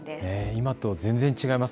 今と全然違います